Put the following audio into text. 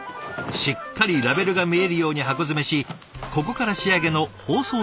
しっかりラベルが見えるように箱詰めしここから仕上げの包装作業へ。